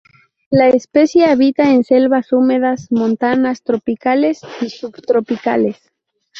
La especie habita en selvas húmedas montanas, tropicales y subtropicales.